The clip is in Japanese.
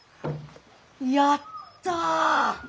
やった！